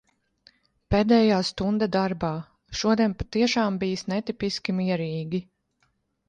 Pēdējā stunda darbā. Šodien patiešām bijis netipiski mierīgi.